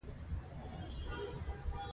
واټ تایلور او نور مهم غړي ووژل شول.